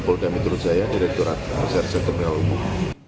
polda mitrujaya direkturat reserse kepala umum